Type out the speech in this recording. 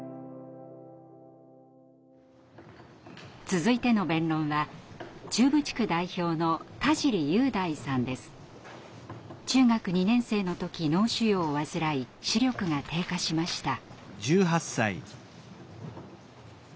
続いての弁論は中部地区代表の中学２年生の時脳腫瘍を患い視力が低下しました。